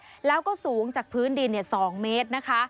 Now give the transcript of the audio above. พลังคุ้มที่สูงจากพื้นดิน๒เมตร